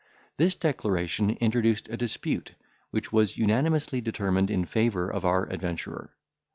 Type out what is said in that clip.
This declaration introduced a dispute, which was unanimously determined in favour of our adventurer.